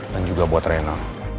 dan juga buat rena